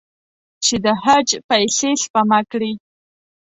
چې د حج پیسې سپما کړي.